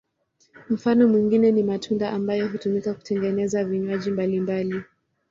Mfano mwingine ni matunda ambayo hutumika kutengeneza vinywaji mbalimbali.